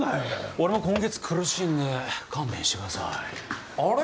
俺も今月苦しいんで勘弁してください。あれ？